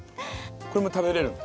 これも食べれるんだ。